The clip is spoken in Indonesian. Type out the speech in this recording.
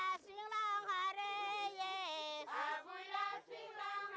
abu'l lasik langhare ye